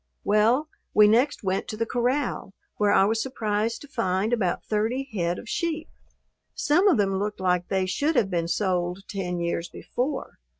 Well, we next went to the corral, where I was surprised to find about thirty head of sheep. Some of them looked like they should have been sold ten years before.